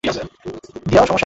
আরে, এটা সঠিক তার এটা নয়।